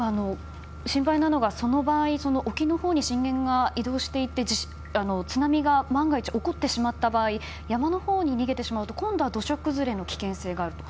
心配なのがその場合沖のほうに震源が移動していて津波が万が一起こってしまった場合山のほうに逃げてしまうと今度は土砂崩れの危険性があると。